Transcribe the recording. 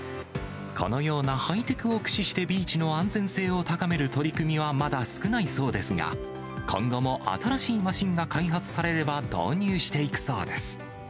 このようなハイテクを駆使してビーチの安全性を高める取り組みは、まだ少ないそうですが、今後も新しいマシンが開発されれば導入していくそうです。